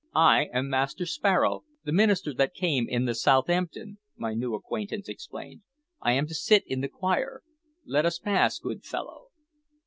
"I am Master Sparrow, the minister that came in the Southampton," my new acquaintance explained. "I am to sit in the choir. Let us pass, good fellow."